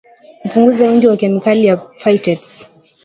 Kupunguza wingi wa kemikali ya phytates